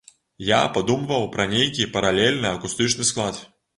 Я падумваў пра нейкі паралельны акустычны склад.